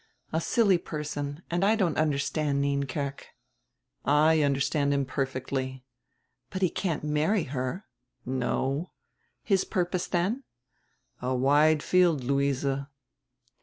A silly person, and I don't understand Nienkerk." "I understand him perfectly." "But he can't marry her." "No." "His purpose, then?" "A wide field, Luise."